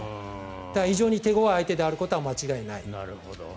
非常に手ごわい相手であることは間違いない。